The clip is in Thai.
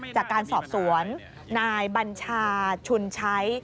จากการสอบสวนนายบัญชาชุนชัย